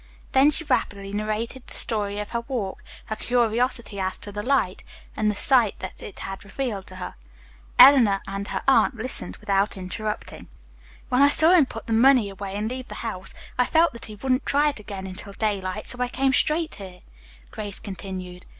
Then she rapidly narrated the story of her walk, her curiosity as to the light, and the sight that it had revealed to her. Eleanor and her aunt listened without interrupting. "When I saw him put the money away and leave the house, I felt that he wouldn't try it again until daylight, so I came straight here," Grace continued.